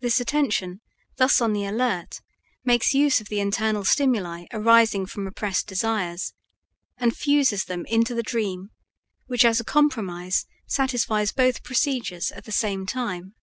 This attention, thus on the alert, makes use of the internal stimuli arising from repressed desires, and fuses them into the dream, which as a compromise satisfies both procedures at the same time.